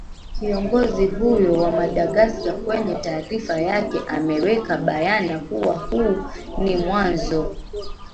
kiongozi huyo wa madagascar kwenye taarifa yake ameweka bayana kuwa huu ni mwanzo